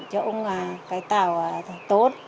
cho ông cải tạo tốt